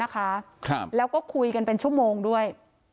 แล้วก็คุยกันเป็นชั่วโมงด้วย